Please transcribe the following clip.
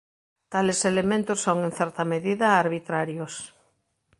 Tales elementos son en certa medida arbitrarios.